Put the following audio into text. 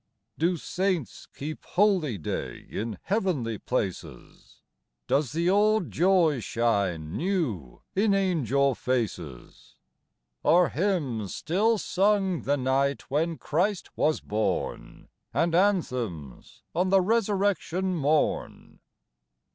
Do saints keep holy day in heavenly places ? Does the old joy shine new in angel faces ? Are hymns still sung the night when Christ was born, And anthems on the resurrection morn